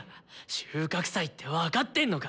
収穫祭って分かってんのか！